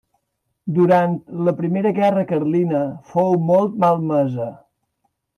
Durant la primera guerra carlina fou molt malmesa.